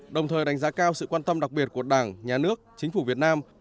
đồng thời đánh giá cao sự quan tâm đặc biệt của đảng nhà nước chính phủ việt nam